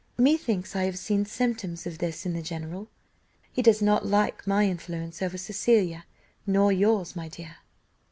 Me thinks I have seen symptoms of this in the general, he does not like my influence over Cecilia, nor yours, my dear."